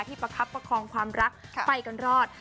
ประคับประคองความรักไปกันรอด